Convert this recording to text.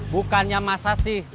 bukannya masa sih